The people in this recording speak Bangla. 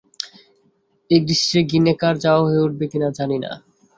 এ গ্রীষ্মে গ্রীনএকার যাওয়া হয়ে উঠবে কিনা জানি না।